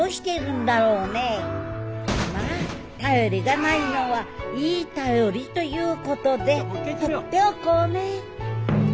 まあ「便りがないのはいい便り」ということでほっておこうねぇ。